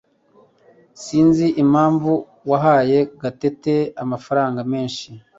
Sinzi impamvu wahaye Gatete amafaranga menshi